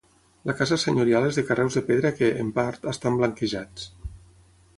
La casa senyorial és de carreus de pedra que, en part, estan blanquejats.